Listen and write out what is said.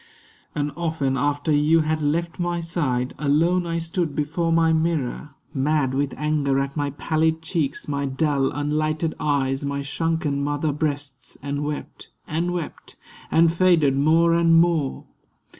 And often, after you had left my side, Alone I stood before my mirror, mad With anger at my pallid cheeks, my dull Unlighted eyes, my shrunken mother breasts, And wept, and wept, and faded more and more.